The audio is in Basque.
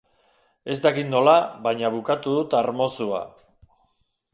Ez dakit nola, baina bukatu dut armozua.